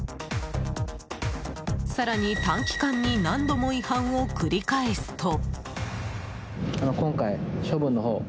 更に、短期間に何度も違反を繰り返すと。